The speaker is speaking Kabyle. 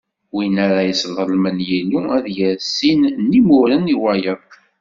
Win ara yesseḍlem Yillu, ad yerr sin n imuren i wayeḍ.